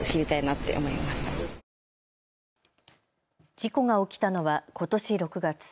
事故が起きたのはことし６月。